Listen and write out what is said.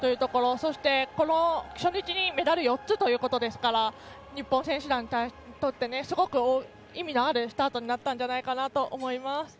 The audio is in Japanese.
そして、この初日にメダル４つということですから日本選手団にとってすごく意味のあるスタートになったんじゃないかなと思います。